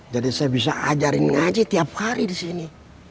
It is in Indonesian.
jadi saya bisa ajarin ngaji tiap hari disini